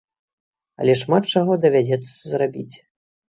Але шмат чаго давядзецца зрабіць.